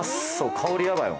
香りやばいわ